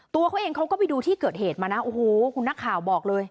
ตัวเขาเองเขาก็ไปดูที่เกิดเหตุมานะโอ้โหคุณนักข่าวบอกเลย